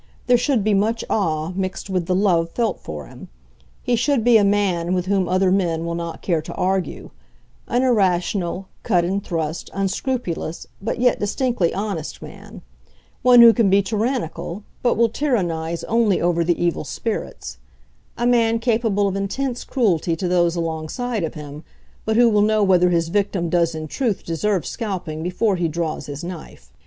There should be much awe mixed with the love felt for him. He should be a man with whom other men will not care to argue; an irrational, cut and thrust, unscrupulous, but yet distinctly honest man; one who can be tyrannical, but will tyrannise only over the evil spirits; a man capable of intense cruelty to those alongside of him, but who will know whether his victim does in truth deserve scalping before he draws his knife.